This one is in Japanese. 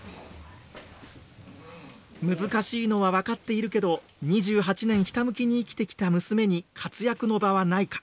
難しいのは分かっているけど２８年ひたむきに生きてきた娘に活躍の場はないか？